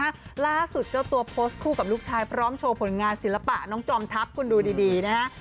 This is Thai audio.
ล่าสุดเจ้าตัวโพสต์คู่กับลูกชายพร้อมโชว์ผลงานศิลปะน้องจอมทัพคุณดูดีดีนะฮะ